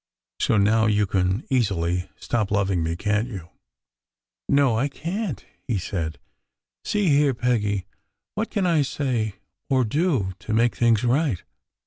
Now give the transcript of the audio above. "So now you can easily stop loving me, can t you?" " No, I can t," he said. " See here, Peggy, what can I say or do to make things right?